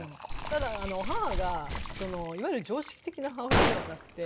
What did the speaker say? ただ母がいわゆる常識的な母親ではなくて。